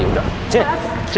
mas jangan mas